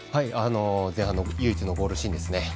前半の唯一のゴールシーンですね。